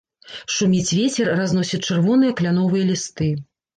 Шуміць вецер, разносіць чырвоныя кляновыя лісты.